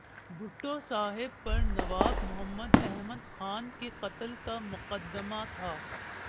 بھٹو صاحب پر نواب محمد احمد خان کے قتل کا مقدمہ تھا۔